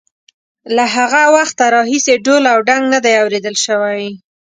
له هغه وخته راهیسې ډول او ډنګ نه دی اورېدل شوی.